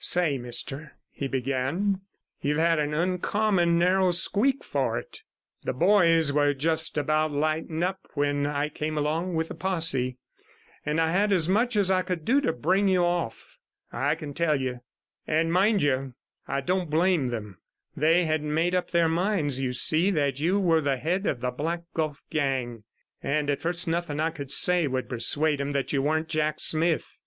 'Say, mister,' he began, 'you've had an uncommon narrow squeak for it. The boys were just about lighting up when I came along with the posse, and I had as much as I could do to bring you off, I can tell you. And, mind you, I don't blame them; they had made up their minds, you see, that you were the head of the Black Gulf gang, and at first nothing I could say would persuade them you weren't Jack Smith.